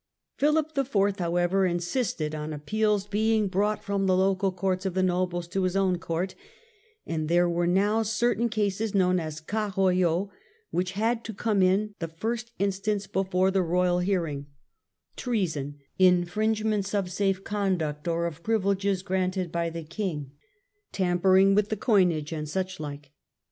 Phihp IV. however, insisted on appeals being brought from the local courts of the nobles to his own court, and there were now certain cases known as cas royaux, which had to come in the first instance before the royal hearing : treason, infringements of safe conduct, or of privileges granted by the King, tampering with the coinage and such like.